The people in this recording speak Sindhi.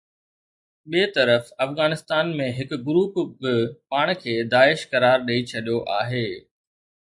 ٻئي طرف افغانستان ۾ هڪ گروپ به پاڻ کي داعش قرار ڏئي ڇڏيو آهي